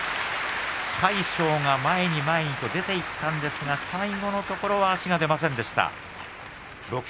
魁勝は前に前に出ていったんですが最後のところ足が出ませんでした。